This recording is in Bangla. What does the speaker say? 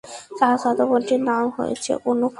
চাচাতো বোনটির নাম হচেছ অনুফা।